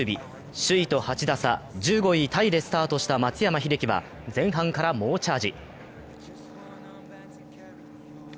首位と８打差、１５位タイでスタートした松山英樹は前半から猛チャージ。